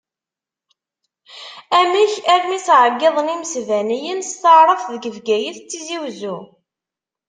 Amek armi ttɛeyyiḍen imesbaniyen s taɛrabt deg Bgayet d Tizi Wezzu?